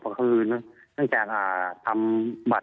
เพราะคืนตั้งจากทำบัตรทำอีกสาร